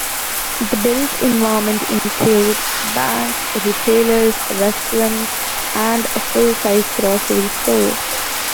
The built environment includes banks, retailers, restaurants, and a full size grocery store.